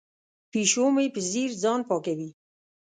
پیشو مې په ځیر ځان پاکوي.